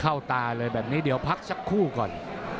ตาเลยแบบนี้เดี๋ยวพักสักครู่ก่อน